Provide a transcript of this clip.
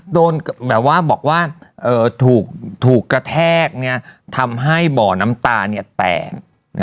โดนแบบว่าถูกกระแทกทำให้เบาน้ำตาแตก